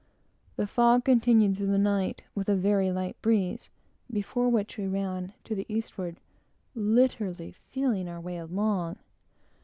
The fog continued through the night, with a very light breeze, before which we ran to the eastward, literally feeling our way along.